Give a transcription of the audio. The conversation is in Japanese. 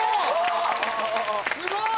すごい！